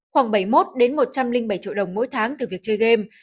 khoảng bảy mươi một đến một trăm linh bảy triệu đồng mỗi tháng từ việc chơi game